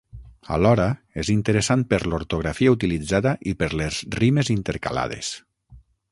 Alhora, és interessant per l'ortografia utilitzada i per les rimes intercalades.